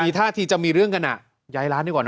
ท่าทีจะมีเรื่องกันย้ายร้านดีกว่านะ